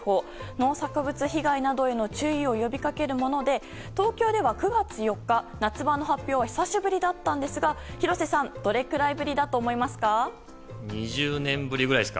農作物被害などへの注意を呼びかけるもので東京では９月４日、夏場の発表は久しぶりだったんですが廣瀬さん、どれくらいぶりだと思いますか？